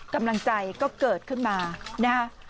กำลังใจก็เกิดขึ้นมานะฮะ